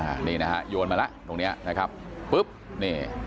อันนี้นะฮะโยนมาแล้วตรงเนี้ยนะครับปุ๊บนี่